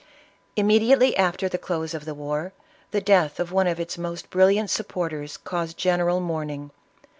Immediately after the close "of the war, the death of one of its most brilliant supporters caused general mourning.